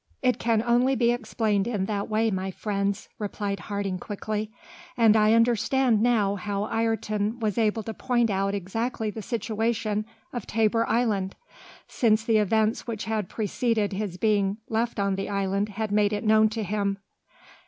"It can only be explained in that way, my friends," replied Harding quickly, "and I understand now how Ayrton was able to point out exactly the situation of Tabor Island, since the events which had preceded his being left on the Island had made it known to him."